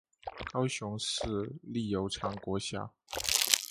高雄市立油厂国小